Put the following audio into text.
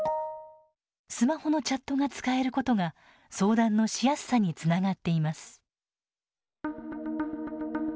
スマホのチャットが使えることが相談のしやすさにつながっています。